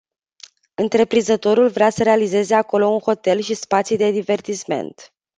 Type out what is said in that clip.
Întreprinzătorul vrea să realizeze acolo un hotel și spații de divertisment.